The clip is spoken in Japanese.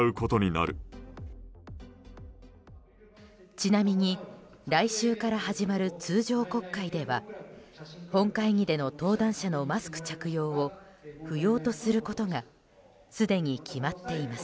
ちなみに来週から始まる通常国会では本会議での登壇者のマスク着用を不要とすることがすでに決まっています。